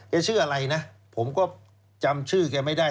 ชื่ออะไรนะผมก็จำชื่อแกไม่ได้